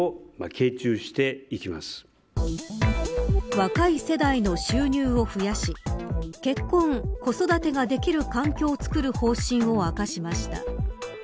若い世代の収入を増やし結婚、子育てができる環境を作る方針を明かしました。